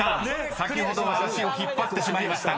先ほどは足を引っ張ってしまいましたが］